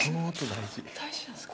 大事なんすか？